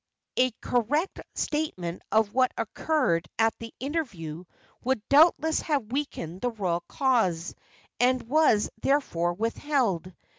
A correct statement of what occurred at the interview would doubtless have weakened the royal cause, and was therefore withheld.